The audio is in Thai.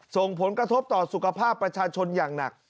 ส่งผลกระทบต่อสุขภาพประชาชนอย่างหนัก